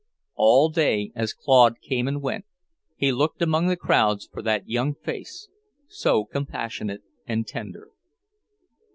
All day, as Claude came and went, he looked among the crowds for that young face, so compassionate and tender.